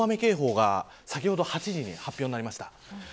大雨警報が先ほど８時に発表されました。